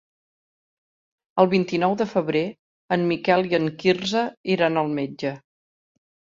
El vint-i-nou de febrer en Miquel i en Quirze iran al metge.